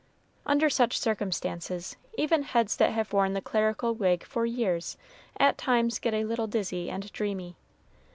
Under such circumstances, even heads that have worn the clerical wig for years at times get a little dizzy and dreamy.